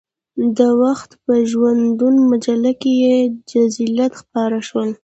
د وخت په ژوندون مجله کې یې جزئیات خپاره شول.